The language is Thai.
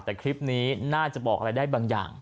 แต่คลิปนี้น่าจะบอกอะไรได้บางอย่าง